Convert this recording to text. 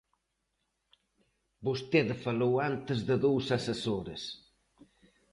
vostede falou antes de dous asesores...